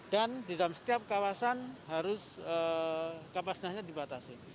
dan di dalam setiap kawasan harus kapasitasnya dibatasi